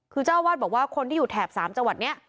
คือเจ้าอาวาสบอกว่าคนที่อยู่แถบ๓จังหวัดนี้